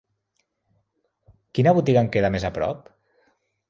Quina botiga em queda més aprop?